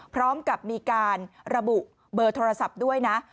พร้อมกับมีการระบุเบอร์โทรศัพท์ด้วยนะ